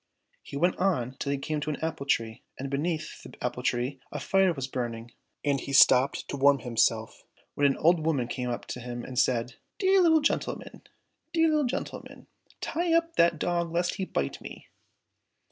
He went on till he came to an apple tree, and beneath the apple tree a fire was burning, and he stopped to warm himself, when an old woman came up and said to him, " Dear little gentleman ! dear little gentleman ! tie up that dog lest he bite me."